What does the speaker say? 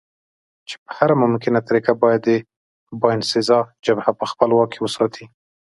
چې په هره ممکنه طریقه باید د باینسېزا جبهه په خپل واک کې وساتي.